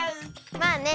まあね。